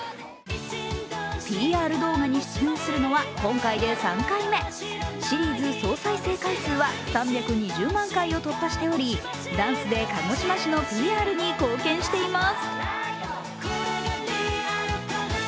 ＰＲ動画に出演するのは今回で３回目シリーズ総再生回数は３２０万回を突破しており、ダンスで鹿児島市のＰＲに貢献しています。